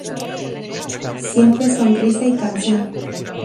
Siempre sonrisa y canción.